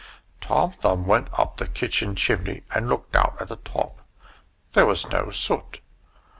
Tom Thumb went up the kitchen chimney and looked out at the top there was no soot.